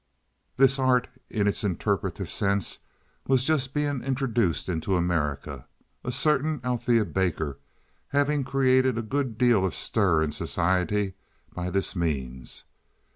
This art in its interpretative sense was just being introduced into America, a certain Althea Baker having created a good deal of stir in society by this means.